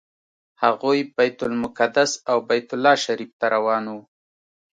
هغوی بیت المقدس او بیت الله شریف ته روان وو.